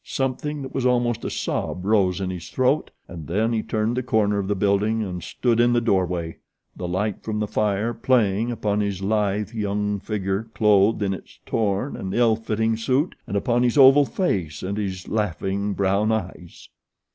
Something that was almost a sob rose in his throat, and then he turned the corner of the building and stood in the doorway, the light from the fire playing upon his lithe young figure clothed in its torn and ill fitting suit and upon his oval face and his laughing brown eyes.